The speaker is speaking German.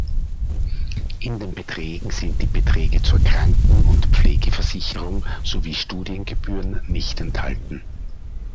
In den Beträgen sind die Beiträge zur Kranken- und Pflegeversicherung sowie Studiengebühren nicht enthalten.